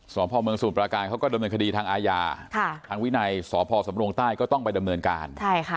สศเมืองสูญปราการเขาก็ดำเนินคดีทางอาญาทางวินัยสศสมรวงต้ายก็ต้องไปดำเนินการ